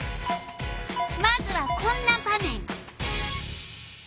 まずはこんな場面！